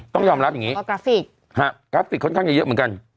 ต้องยอมรับอย่างนี้กราฟิกค่อนข้างจะเยอะเหมือนกัน